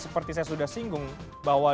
seperti saya sudah singgung bahwa